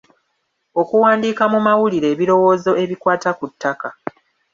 Okuwandiika mu mawulire ebirowoozo ebikwata ku ttaka.